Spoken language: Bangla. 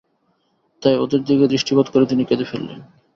তাই ওদের দিকে দৃষ্টিপাত করে তিনি কেঁদে ফেলেন।